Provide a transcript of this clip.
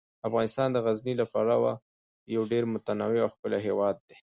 افغانستان د غزني له پلوه یو ډیر متنوع او ښکلی هیواد دی.